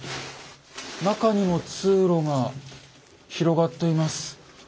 中にも通路が広がっています。